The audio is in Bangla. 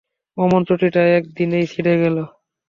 অমন চটিটা এক দিনেই ছিড়ে গেলো?